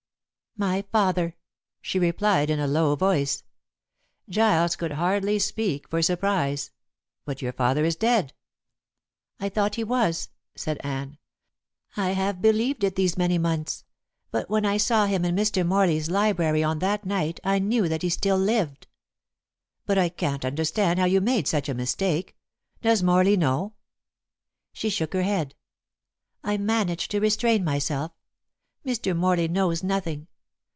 "My father," she replied in a low voice. Giles could hardly speak for surprise. "But your father is dead?" "I thought he was," said Anne. "I have believed it these many months. But when I saw him in Mr. Morley's library on that night I knew that he still lived." "But I can't understand how you made such a mistake. Does Morley know?" She shook her head. "I managed to restrain myself. Mr. Morley knows nothing.